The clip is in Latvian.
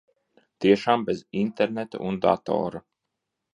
Tiešām bez interneta un datora.